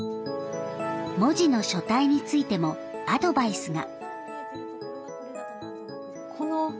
文字の書体についてもアドバイスが。